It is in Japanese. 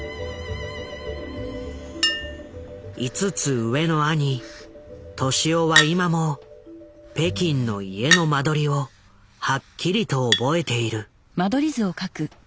５つ上の兄俊夫は今も北京の家の間取りをはっきりと覚えている。